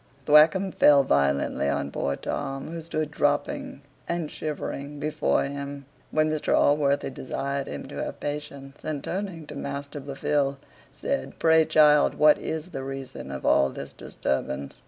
Thwackum fell violently on poor Tom, who stood dropping and shivering before him, when Mr Allworthy desired him to have patience; and turning to Master Blifil, said, "Pray, child, what is the reason of all this disturbance?"